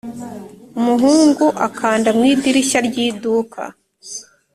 ] umuhungu akanda mu idirishya ry iduka.